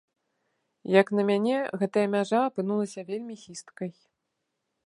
Як на мяне, гэтая мяжа апынулася вельмі хісткай.